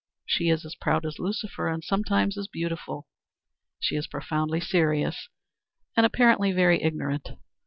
She is as proud as Lucifer and sometimes as beautiful; she is profoundly serious and and apparently very ignorant.